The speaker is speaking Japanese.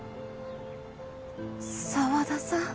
沢田さん？